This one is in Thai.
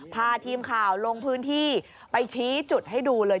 พาทีมข่าวลงพื้นที่ไปชี้จุดให้ดูเลย